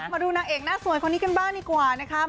มาดูนางเอกหน้าสวยคนนี้กันบ้างดีกว่านะคะ